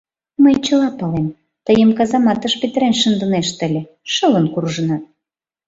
— Мый чыла палем: тыйым казаматыш петырен шындынешт ыле — шылын куржынат.